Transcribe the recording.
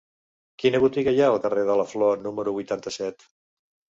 Quina botiga hi ha al carrer de la Flor número vuitanta-set?